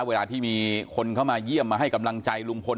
เวลาที่มีคนเข้ามาเยี่ยมมาให้กำลังใจลุงพล